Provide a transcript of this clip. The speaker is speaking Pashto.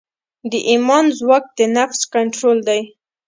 د ایمان ځواک د نفس کنټرول دی.